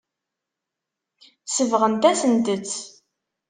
Sebɣent-asent-t.